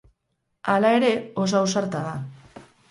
Hala ere, oso ausarta da.